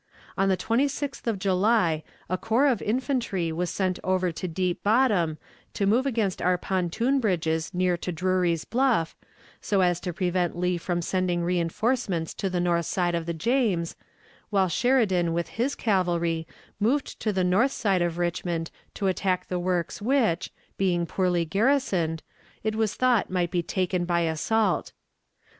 On the 26th of July a corps of infantry was sent over to Deep Bottom to move against our pontoon bridges near to Drury's Bluff, so as to prevent Lee from sending reënforcements to the north side of the James, while Sheridan with his cavalry moved to the north side of Richmond to attack the works which, being poorly garrisoned, it was thought might be taken by assault.